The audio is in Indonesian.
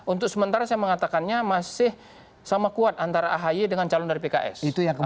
untuk sementara saya mengatakannya masih sama kuat antara ahy dengan calon dari pks